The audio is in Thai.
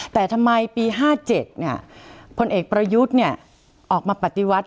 แต่ทำไมปี๕๗พลเอกประยุทธ์ออกมาปฏิวัติ